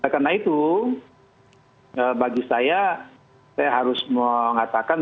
karena itu bagi saya saya harus mengatakan